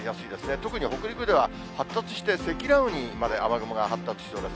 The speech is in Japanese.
特に北陸では発達して、積乱雲にまで雨雲が発達しそうです。